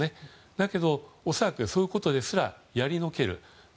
だけど、恐らくそういうことですらやりのける。